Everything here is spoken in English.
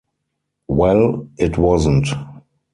Well, it wasn't.